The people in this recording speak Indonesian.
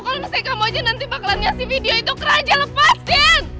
kalau ngecek kamu aja nanti bakalan ngasih video itu ke raja lepasin